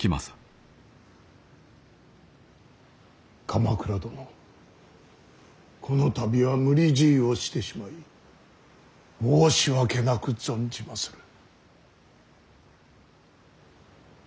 鎌倉殿この度は無理強いをしてしまい申し訳なく存じまする。